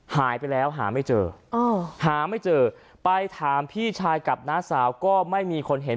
หายไปแล้วหาไม่เจอหาไม่เจอไปถามพี่ชายกับน้าสาวก็ไม่มีคนเห็น